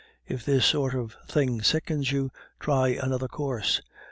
If this sort of thing sickens you, try another course.